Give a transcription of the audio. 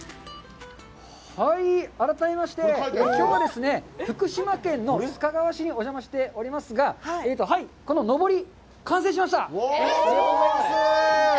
はい改めましてきょうはですね福島県の須賀川市にお邪魔しておりますがこののぼり完成しました。